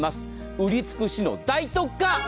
売り尽くしの大特価。